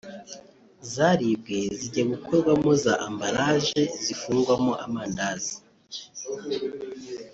zaribwe zijya gukorwamo za ambalaje (emballages) zifungwamo amandazi